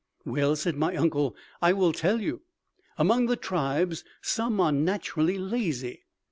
"Well," said my uncle, "I will tell you. Among the tribes, some are naturally lazy.